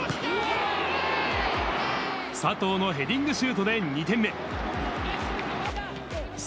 佐藤のヘディングシュートで２点目。